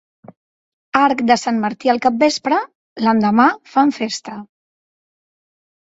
Arc de sant Martí al capvespre, l'endemà fan festa.